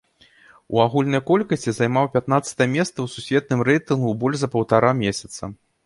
У агульнай колькасці займаў пятнаццатае месца ў сусветным рэйтынгу больш за паўтара месяца.